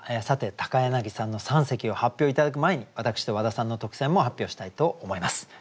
さて柳さんの三席を発表頂く前に私と和田さんの特選も発表したいと思います。